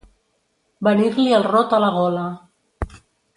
Venir-li el rot a la gola.